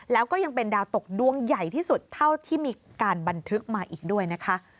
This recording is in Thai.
แล้วก็ยังเป็นดาวตกดวงใหญ่ที่สุดเท่าที่มีการบันทึกมาอีกด้วยนะคะ